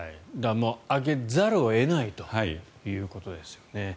上げざるを得ないということですね。